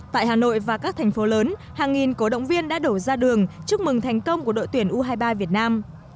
tại hà nội và các thành phố lớn hàng nghìn cổ động viên đã đổ ra đường chúc mừng thành công của đội tuyển u hai mươi ba việt nam